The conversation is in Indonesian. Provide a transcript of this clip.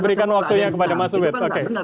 berikan waktunya kepada mas ubed oke